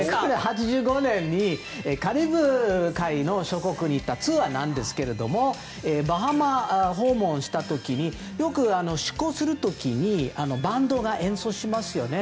１９８５年にカリブ海の諸国に行ったツアーですがバハマ訪問した時によく出航するときにバンドが演奏しますよね。